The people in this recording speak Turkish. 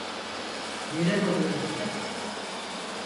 Neler oluyor burda?